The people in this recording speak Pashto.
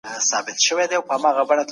دوی د حقايقو لټون وکړ.